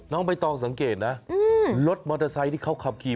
น้องไม่ต้องสังเกตนะรถมอเตอร์ไซด์ที่เขาขับขี่